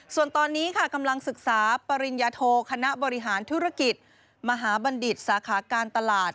ส่วนตอนนี้ค่ะกำลังศึกษาปริญญาโทคณะบริหารธุรกิจมหาบัณฑิตสาขาการตลาด